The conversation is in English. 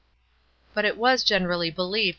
But it was generally believed.